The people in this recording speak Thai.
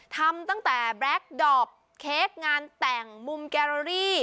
ทำตั้งแต่แบล็คดอปเค้กงานแต่งมุมแกโรรี่